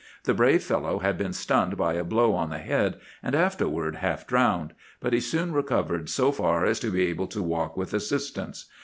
The brave fellow had been stunned by a blow on the head, and afterward half drowned; but he soon recovered so far as to be able to walk with assistance.